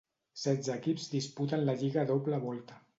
Setze equips disputen la lliga a doble volta.